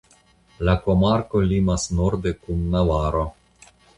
La komarko limas norde kun Navaro.